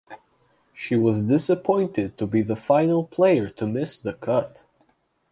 She was disappointed to be the final player to miss the cut.